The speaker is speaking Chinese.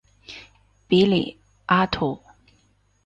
比里阿图。